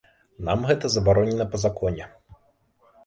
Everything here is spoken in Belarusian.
Нам гэта забаронена па законе.